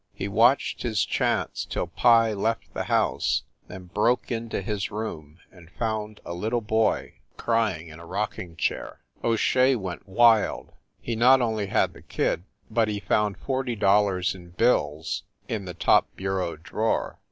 He watched his chance till Pye left the house, then broke into his room and found a little boy crying in a rocking chair. 282 FIND THE WOMAN O Shea went wild. He not only had the kid, but he found forty dollars in bills in the top bureau drawer.